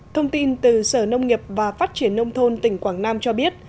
thông tin từ sở nông nghiệp và phát triển nông thôn tỉnh quảng nam cho biết